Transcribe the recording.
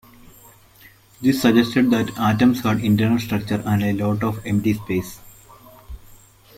This suggested that atoms had internal structure and a lot of empty space.